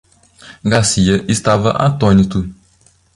Garcia estava atônito.